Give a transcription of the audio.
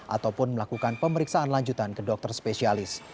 ataupun melakukan pemeriksaan lanjutan ke dokter spesialis